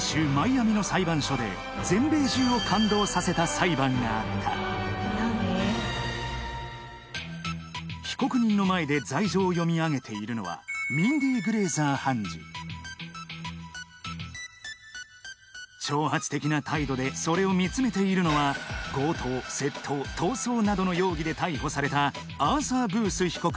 あーっ！でがあった被告人の前で罪状を読み上げているのは挑発的な態度でそれを見つめているのは強盗窃盗逃走などの容疑で逮捕されたアーサー・ブース被告